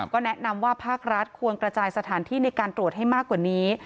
ก็แนะนำว่าภาครัฐควรกระจายสถานที่ในการตรวจให้มากกว่านี้